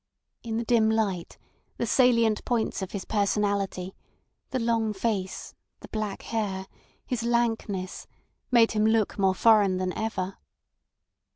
In the dim light, the salient points of his personality, the long face, the black hair, his lankness, made him look more foreign than ever.